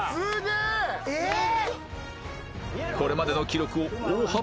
えっ！？